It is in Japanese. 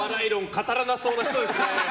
語らなそうな人ですね。